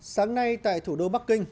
sáng nay tại thủ đô bắc kinh